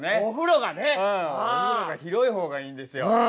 お風呂が広い方がいいんですよ。